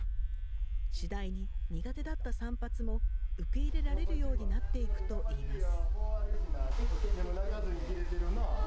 次第に苦手だった散髪も受け入れられるようになっていくといいます。